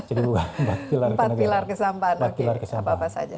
empat pilar kesampahan apa apa saja